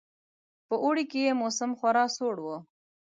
په اوړي کې یې موسم خورا سوړ وو.